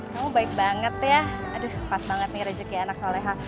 kamu baik banget ya aduh pas banget nih rezeki anak soleha